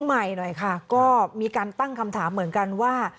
ใหม่หน่อยค่ะก็มีการตั้งคำถามเหมือนกันว่า